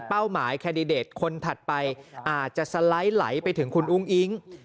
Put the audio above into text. หมายแคนดิเดตคนถัดไปอาจจะสไลด์ไหลไปถึงคุณอุ้งอิ๊ง